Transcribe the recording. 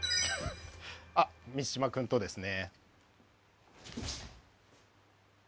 あっ満島くんとですね。